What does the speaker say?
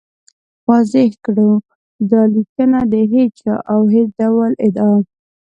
واضح کړو، دا لیکنه د هېچا او هېڅ ډول ادعا